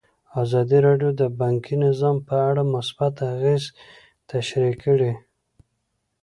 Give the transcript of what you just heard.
ازادي راډیو د بانکي نظام په اړه مثبت اغېزې تشریح کړي.